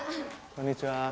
こんにちは。